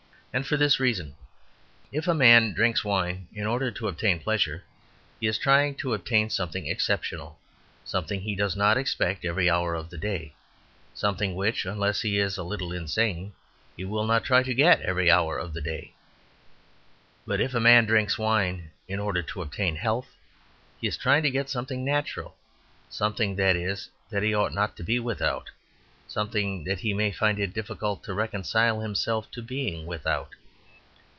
And for this reason, If a man drinks wine in order to obtain pleasure, he is trying to obtain something exceptional, something he does not expect every hour of the day, something which, unless he is a little insane, he will not try to get every hour of the day. But if a man drinks wine in order to obtain health, he is trying to get something natural; something, that is, that he ought not to be without; something that he may find it difficult to reconcile himself to being without.